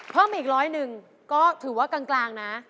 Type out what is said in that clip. เพิ่มอีกร้อยหนึ่งก็ถือว่ากลางนะ